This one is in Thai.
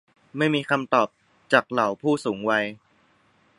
ไม่มีคำตอบจากเหล่าผู้สูงวัย